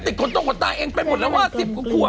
ดูสินางติดคนตกกว่าตาเองไปหมดแล้วว่าสิบกว่าคว่า